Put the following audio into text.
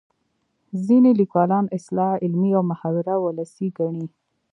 ځینې لیکوالان اصطلاح علمي او محاوره ولسي ګڼي